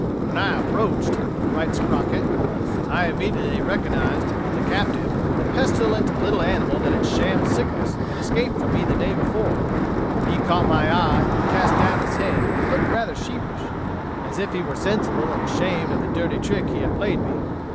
"When I approached," writes Crockett, "I immediately recognized, in the captive, the pestilent little animal that had shammed sickness and escaped from me the day before. And when he caught my eye he cast down his head and looked rather sheepish, as if he were sensible and ashamed of the dirty trick he had played me.